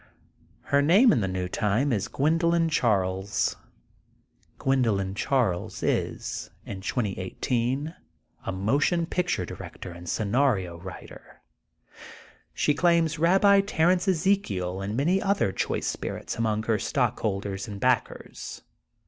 Her name in the new time is Gwendolyn Charles. Gwendolyn Charles is, in 2018, a motion picture director and scenario writer. She claims Eabbi Terence Ezekiel and many other choice spirits among her stockholders and backers.